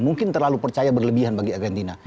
mungkin terlalu percaya berlebihan bagi argentina